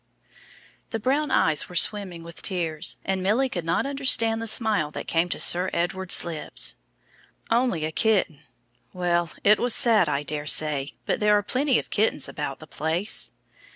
The brown eyes were swimming with tears, and Milly could not understand the smile that came to Sir Edward's lips. "Only a kitten. Well, it was sad, I daresay, but there are plenty of kittens about the place."